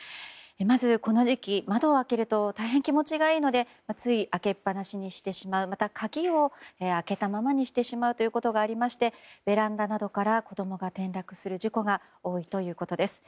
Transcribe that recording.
まずこの時期、窓を開けると大変気持ちがいいのでつい開けっ放しにしてしまうまた鍵を開けたままにしてしまうことがありましてベランダなどから子供が転落する事故が多いということです。